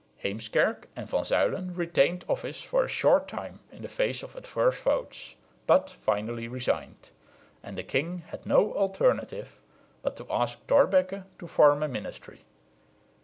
Heemskerk and Van Zuylen retained office for a short time in the face of adverse votes, but finally resigned; and the king had no alternative but to ask Thorbecke to form a ministry.